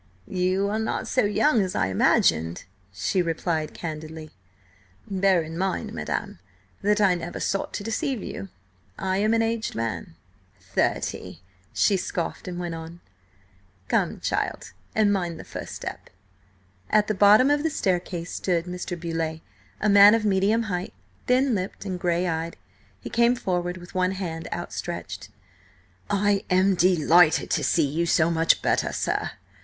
"You are not so young as I imagined," she replied candidly. "Bear in mind, madam, that I never sought to deceive you. I am an aged man." "Thirty!" she scoffed, and went on ahead. "Come, child, and mind the first step!" At the bottom of the staircase stood Mr. Beauleigh, a man of medium height, thin lipped and grey eyed. He came forward with one hand outstretched. "I am delighted to see you so much better, sir.